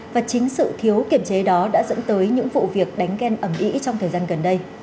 và chính sự thiếu kiểm chế đó đã dẫn tới những vụ việc đánh ghen ẩm ỉ trong thời gian gần đây